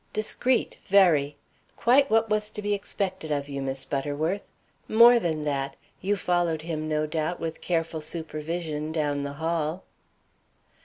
"Discreet, very. Quite what was to be expected of you, Miss Butterworth. More than that. You followed him, no doubt, with careful supervision, down the hall."